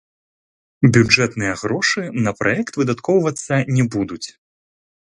Бюджэтныя грошы на праект выдаткоўвацца не будуць.